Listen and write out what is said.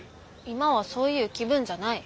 今はそういう気分じゃない。